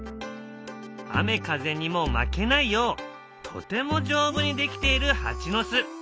雨風にも負けないようとても丈夫にできているハチの巣。